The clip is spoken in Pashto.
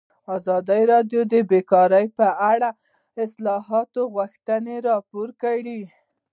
ازادي راډیو د بیکاري په اړه د اصلاحاتو غوښتنې راپور کړې.